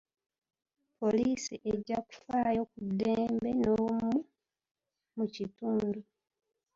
Poliisi ejja kufaayo ku ddembe n'obumu mu kitundu.